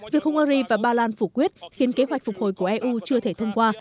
việc hungary và ba lan phủ quyết khiến kế hoạch phục hồi của eu chưa thể thông qua